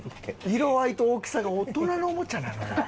色合いと大きさが大人のおもちゃなのよ。